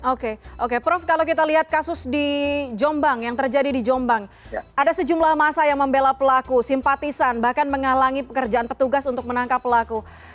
oke oke prof kalau kita lihat kasus di jombang yang terjadi di jombang ada sejumlah masa yang membela pelaku simpatisan bahkan menghalangi pekerjaan petugas untuk menangkap pelaku